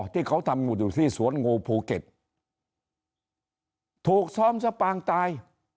ที่เขาทำอยู่ที่สวนงูภูเก็ตถูกซ้อมสปางตาย